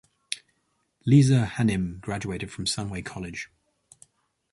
Liza Hanim graduated from Sunway College.